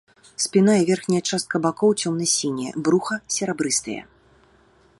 Спіна і верхняя частка бакоў цёмна-сінія, бруха серабрыстае.